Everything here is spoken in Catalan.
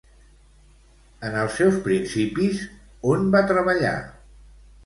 En els seus principis, on va treballar?